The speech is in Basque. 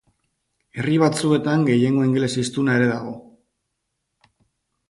Herri batzuetan gehiengo ingeles-hiztuna ere dago.